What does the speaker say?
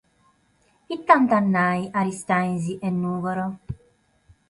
Ite ant a nàrrere Aristanis e Nùgoro?